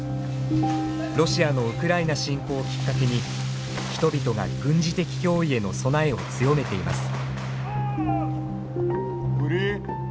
ロシアのウクライナ侵攻をきっかけに人々が軍事的脅威への備えを強めています。